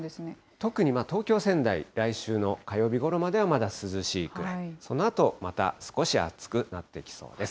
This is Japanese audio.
特に東京、仙台、来週の火曜日ごろまでは、まだ涼しいくらい、そのあと、また少し暑くなってきそうです。